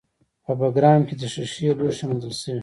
په بګرام کې د ښیښې لوښي موندل شوي